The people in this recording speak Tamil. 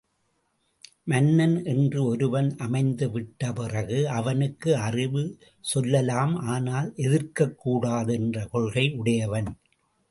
மன்னன் என்று ஒருவன் அமைந்து விட்ட பிறகு அவனுக்கு அறிவு சொல்லலாம் ஆனால் எதிர்க்கக்கூடாது என்ற கொள்கை உடையவன்.